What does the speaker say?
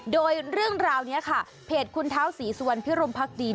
โดยเรื่องราวนี้ค่ะเพจคุณเท้าศรีสุวรรณพิรมพักดี